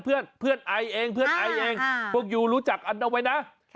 เพื่อนไอเองเพื่อนไอเองพวกยูรู้จักอันเอาไว้นะ